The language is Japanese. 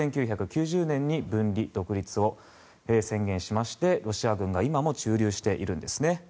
１９９０年に分離独立を宣言しましてロシアが今も駐留しているんですね。